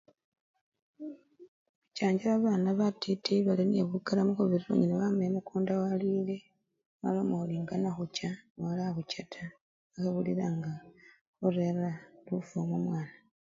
Khuchanja babana batiti balinekhukana mukhubirira unyala wama emukunda walwile waloma ori ngana khucha wala khucha taa wakhebulila nga khorera lufu mumwana.